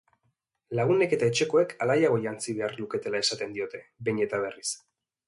Lagunek eta etxekoek alaiago jantzi behar lukeela esaten diote, behin eta berriz.